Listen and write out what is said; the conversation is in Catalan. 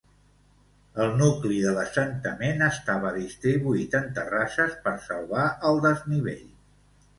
El nucli de l'assentament estava distribuït en terrasses per salvar el desnivell.